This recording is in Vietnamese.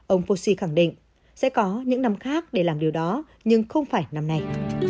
ông fossey khẳng định sẽ có những năm khác để làm điều đó nhưng không phải năm này